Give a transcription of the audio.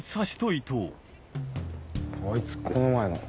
あいつこの前の。